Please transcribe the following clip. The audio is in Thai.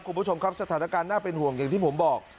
คุณผู้ชมครับสถานการณ์น่าเป็นห่วงอย่างที่ผมบอก